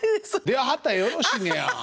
出はったらよろしいねや。